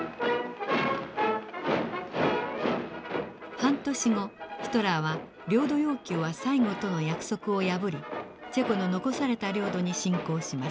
半年後ヒトラーは領土要求は最後との約束を破りチェコの残された領土に侵攻します。